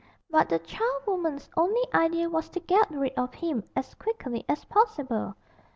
But the charwoman's only idea was to get rid of him as quickly as possible.